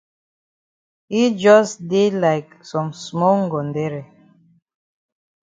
Yi jus dey like some small ngondere.